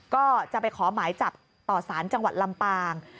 ก็จะไปขอหมายจับต่อสารจังหวัดลำปาง